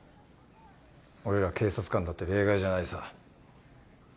俺ら警察官だって例外じゃないさ。